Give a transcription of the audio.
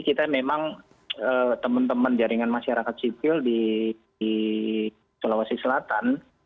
kita memang teman teman jaringan masyarakat sipil di sulawesi selatan